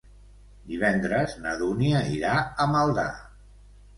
Divendres na Dúnia irà a Maldà.